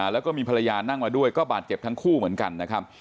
แล้วก็มีภรรยานั่งมาด้วยก็บาดเจ็บทั้งคู่เหมือนกันนะครับ